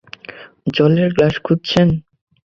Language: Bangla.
জলের গ্লাস খুঁজছেন?